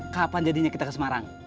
kapan jadinya kita ke semarang